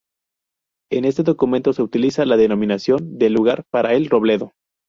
En este documento se utiliza la denominación de "lugar" para el Robledo.